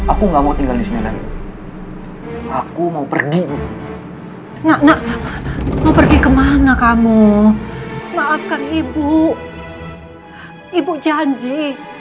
aku nggak mau tinggal di sini aku mau pergi nak nak mau pergi kemana kamu maafkan ibu ibu janji